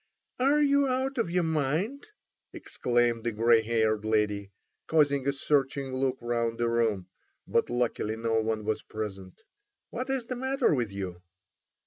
"Are you out of your mind?" exclaimed the grey haired lady, casting a searching look round the room; but luckily no one was present. "What is the matter with you?"